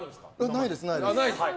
ないです、ないです。